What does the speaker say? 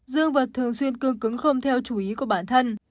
dương vật thường xuyên cương cứng không theo chú ý của bản thân